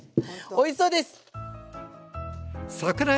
おいしそうです！